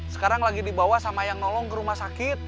sekarang lagi dibawa sama yang nolong ke rumah sakit